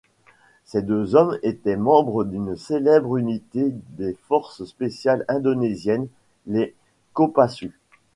Ces deux hommes étaient membres d'une célèbre unité des forces spéciales indonésiennes, les Kopassus.